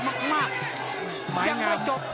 เจ้าสองเจ้าสอง